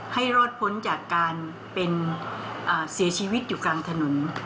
ให้รอดพ้นจากการเป็นเสียชีวิตอยู่กลางถนน